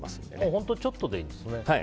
本当、ちょっとでいいんですね。